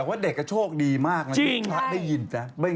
แต่ว่าเด็กก็โชคดีมากนะิจริงแล้วได้ยินจริงแน่ะจริง